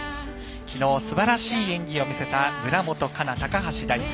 きのう、すばらしい演技を見せた村元哉中、高橋大輔。